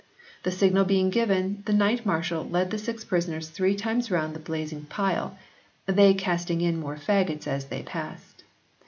The signal being given the knight marshal led the six prisoners three times round the blazing pile, they casting in more faggots as they passed.